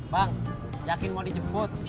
bang jakin mau dijemput